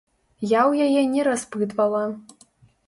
Я ў яе не распытвала.